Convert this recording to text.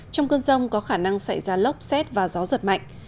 trong cơn rông có khả năng xảy ra lốc xét và gió giật mạnh